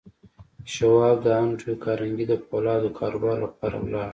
شواب د انډریو کارنګي د پولادو د کاروبار لپاره ولاړ